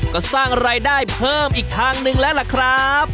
ก็สร้างรายได้เพิ่มอีกทางหนึ่งแล้วล่ะครับ